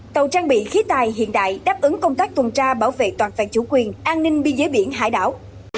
tàu trang bị khí tài hiện đại đáp ứng công tác tuần tra bảo vệ toàn phản chủ quyền an ninh biên giới biển hải đảo